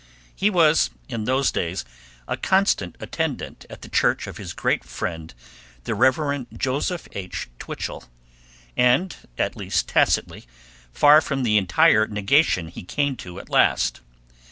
He was in those days a constant attendant at the church of his great friend, the Rev. Joseph H. Twichell, and at least tacitly far from the entire negation he came to at last.